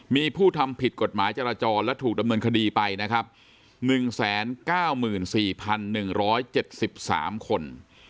มีผู้ทำผิดกฎหมายจราจรและถูกดำเงินคดีไปนะครับหนึ่งแสนเก้าหมื่นสี่พันหนึ่งร้อยเจ็ดสิบสามคน